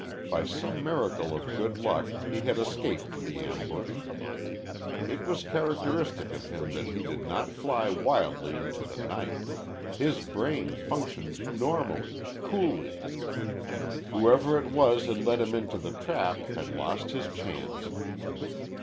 By some miracle of good luck he had escaped the ambush. It was characteristic of him that he did not fly wildly into the night. His brain functioned normally, coolly. Whoever it was had led him into the trap had lost his chance.